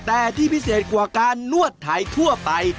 แต่ที่พิเศษกว่าการนวดไทยทั่วไป